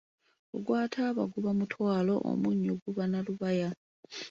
Ogwa taaba guba mutwalo, omunnyo guba na lubaya.